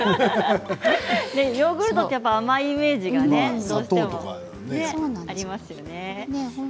ヨーグルトって甘いイメージがね、どうしてもありますよね。